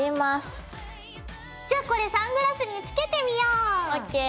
じゃあこれサングラスにつけてみよう！ＯＫ。